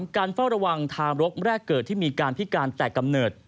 การเฝ้าระวังทารกแรกเกิดที่มีการพิการแต่กำเนิด